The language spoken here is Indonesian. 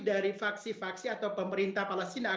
dari faksi faksi atau pemerintah palestina